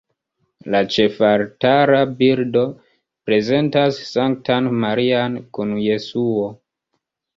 La ĉefaltara bildo prezentas Sanktan Marian kun Jesuo.